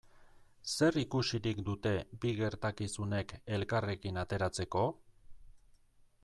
Zer ikusirik dute bi gertakizunek elkarrekin ateratzeko?